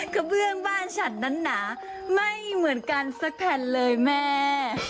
กระเบื้องบ้านฉันนั้นหนาไม่เหมือนกันสักแผ่นเลยแม่